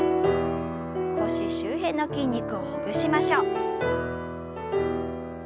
腰周辺の筋肉をほぐしましょう。